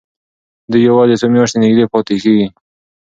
دوی یوازې څو میاشتې نږدې پاتې کېږي.